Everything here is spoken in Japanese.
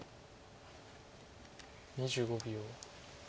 ２５秒。